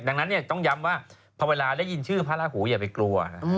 ดังนั้นต้องย้ำว่าพอเวลาได้ยินชื่อพระราหูอย่าไปกลัว